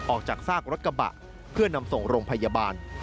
จากซากรถกระบะเพื่อนำส่งโรงพยาบาล